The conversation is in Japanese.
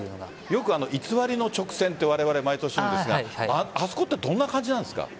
よく偽りの直線とわれわれ毎年言うんですがあそこはどんな感じなんですか？